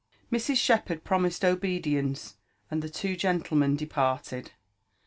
" Mrs. Shepherd promised obedience, and the two gientlemea departed.